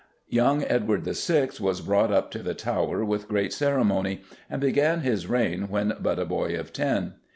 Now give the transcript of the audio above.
Young Edward VI. was brought up to the Tower with great ceremony, and began his reign when but a boy of ten.